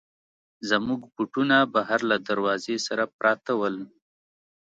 زموږ بوټونه بهر له دروازې سره پراته ول.